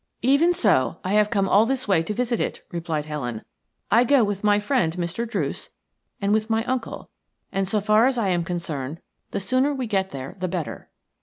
"Even so, I have come all this long way to visit it," replied Helen. "I go with my friend, Mr. Druce, and with my uncle, and so far as I am concerned the sooner we get there the better."